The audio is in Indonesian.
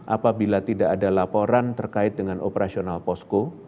apabila tidak ada laporan terkait dengan operasional posko